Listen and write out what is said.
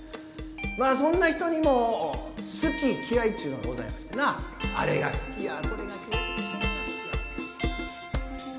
まあそんな人にも好き嫌いっちゅうのがございましてなあれが好きやこれが。